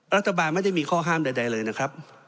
รัฐบาลไม่ได้มีข้อห้ามใดเลยนะครับ